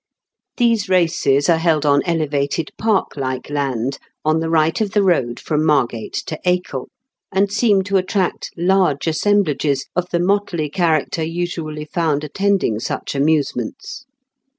These races are held on elevated park like land on the right of the road from Margate to Acol, and seem to attract large assemblages of the motley character usually found attending such amusements.